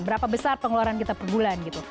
berapa besar pengeluaran kita per bulan gitu